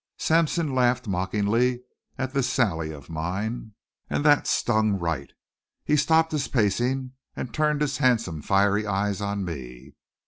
Sampson laughed mockingly at this sally of mine, and that stung Wright. He stopped his pacing and turned his handsome, fiery eyes on me.